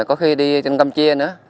có khi đi trên cam chia nữa